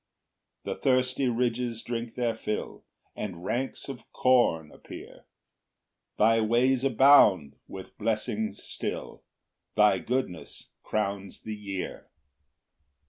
5 The thirsty ridges drink their fill, And ranks of corn appear; Thy ways abound with blessings still, Thy goodness crowns the year.